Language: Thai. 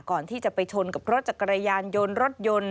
ก่อนที่จะไปชนกับรถจักรยานยนต์รถยนต์